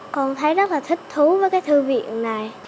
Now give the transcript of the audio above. con thấy rất là thích thú với cái thư viện này